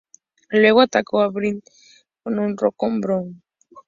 Luego atacó a Bryan con un "Rock Bottom".